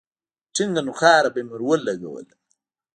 ټينگه نوکاره به مې ورولگوله.